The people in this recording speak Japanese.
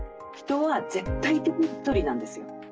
人は絶対的にひとりなんですよ。